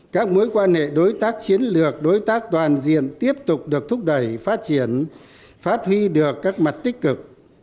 các mối quan hệ đối tác chiến lược đối tác toàn diện tiếp tục được thúc đẩy phát triển phát huy được các mặt tích cực